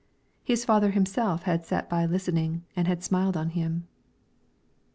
His father himself had sat by listening and had smiled on him.